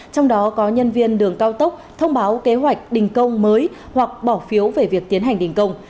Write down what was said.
trong đó có nhân viên đường cao tốc thông báo kế hoạch đình công mới hoặc bỏ phiếu về việc tiến hành đình công